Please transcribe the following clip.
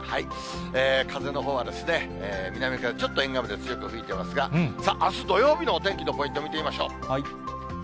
風のほうは南からちょっと沿岸部で強く吹いてますが、さあ、あす土曜日のお天気のポイント見てみましょう。